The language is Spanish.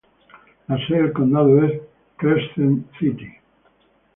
La sede del condado es Crescent City.